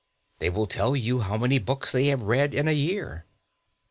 They will tell you how many books they have read in a year.